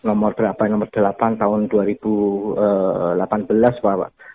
nomor berapa yang nomor delapan tahun dua ribu delapan belas bahwa